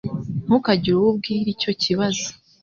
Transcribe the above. Ntukagire uwo ubwira icyo kibazo.